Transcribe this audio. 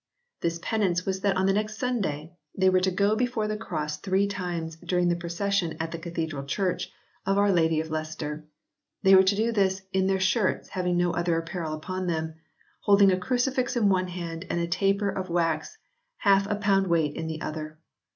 This penance was that on the next Sunday they were to go before the Cross three times during the procession at the Cathedral Church of our Lady of Leicester. They were to do this "in their shirts, having no other apparel upon them/ holding a crucifix in one hand and a taper of wax half a pound weight in the other.